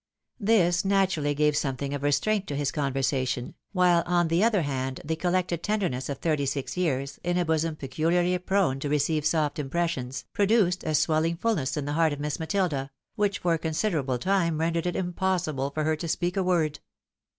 This naturally gave something of restraint to his conversation, while on the other hand the collected tenderness of thirty six years, in a bosom peculiarly prone to receive soft impressions, produced a swelling fulness in the heart of Miss Matilda, which for a considerable time rendered it impossible for her to speak a word.